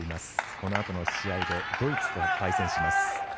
このあとの試合でドイツと対戦します。